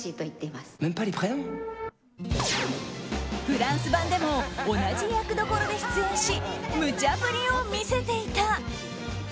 フランス版でも同じ役どころで出演しむちゃ振りを見せていた。